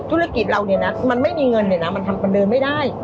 ธุรกิจเราเนี่ยนะมันไม่มีเงินเลยนะมันทำประเดิมไม่ได้